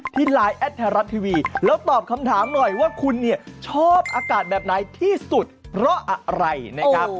ที่ไลน์แล้วตอบคำถามหน่อยว่าคุณเนี่ยชอบอากาศแบบไหนที่สุดเพราะอะไรนะครับ